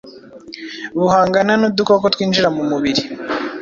buhangana n’udukoko twinjira mumubiri.